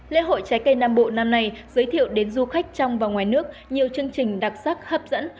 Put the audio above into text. lễ hội trái cây nam bộ năm nay giới thiệu đến du khách trong và ngoài nước nhiều chương trình đặc sắc hấp dẫn